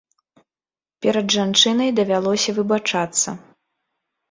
Перад жанчынай давялося выбачацца.